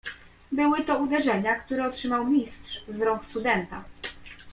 "Były to uderzenia, które otrzymał Mistrz z rąk studenta."